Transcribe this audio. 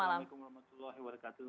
waalaikumsalam warahmatullahi wabarakatuh